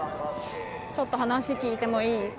ちょっと話聞いてもいい？